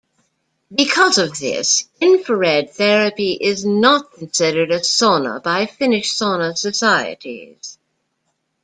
Because of this, infrared therapy is not considered a sauna by Finnish sauna societies.